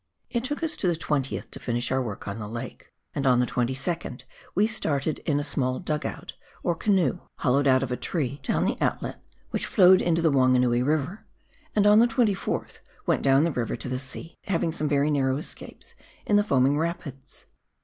It took us to the 20th to finish our work on the lake, and on the 22nd we started in a small " dug out," or canoe hollowed out of a tree, down the outlet, which flowed into the Wanganui River, and on the 24th went down the river to the sea, having some very narrow escapes in the foaming rapids.